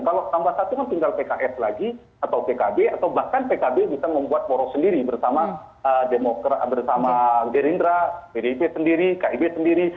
kalau tambah satu kan tinggal pks lagi atau pkb atau bahkan pkb bisa membuat poros sendiri bersama gerindra pdip sendiri kib sendiri